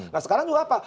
nah sekarang itu apa